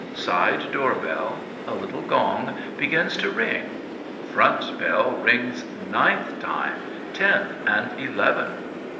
Side door bell a little gong, begins to ring. Front bell rings ninth time, tenth, and eleventh.